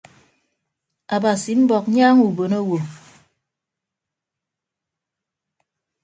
Abasi mbọk nyaaña ubon owo.